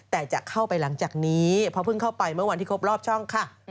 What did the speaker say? แต่จะเข้าไปหลังจากนี้เพราะเพิ่งเข้าไปเมื่อวันที่ครบรอบช่องค่ะ